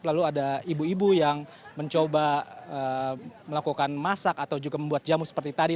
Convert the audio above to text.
lalu ada ibu ibu yang mencoba melakukan masak atau juga membuat jamu seperti tadi